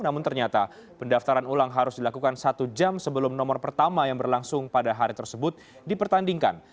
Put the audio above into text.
namun ternyata pendaftaran ulang harus dilakukan satu jam sebelum nomor pertama yang berlangsung pada hari tersebut dipertandingkan